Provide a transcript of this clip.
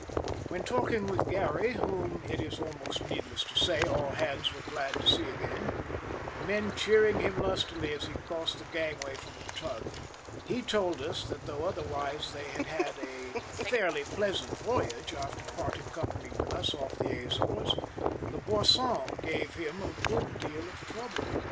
When talking with Garry, whom it is almost needless to say all hands were glad to see again, the men cheering him lustily as he crossed the gangway from the tug, he told us that though otherwise they had had a fairly pleasant voyage after parting company with us off the Azores, the Boissons gave him a good deal of trouble.